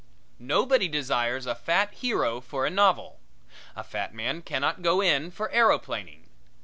Nobody desires a fat hero for a novel. A fat man cannot go in for aeroplaning.